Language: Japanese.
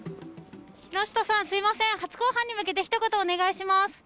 木下さん、すみません、初公判に向けてひと言お願いします。